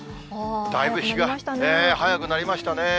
だいぶ日が早くなりましたね。